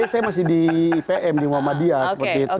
saya masih di pm di muhammadiyah seperti itu